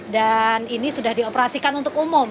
dan ini sudah dioperasikan untuk umum